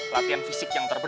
latihan fisik yang terakhir